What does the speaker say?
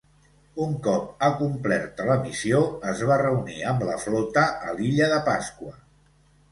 Un cop acomplerta la missió es va reunir amb la flota a l'Illa de Pasqua.